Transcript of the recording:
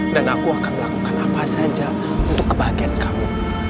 dan aku akan melakukan apa saja untuk kebahagiaan kamu